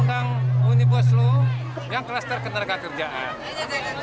undang undang unibuslu yang kluster ketergak kerjaan